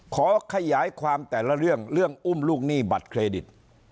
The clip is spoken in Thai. ขอขยายความแต่ละเรื่องเรื่องอุ้มลูกหนี้บัตรเครดิต